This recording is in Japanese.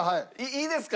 いいですか？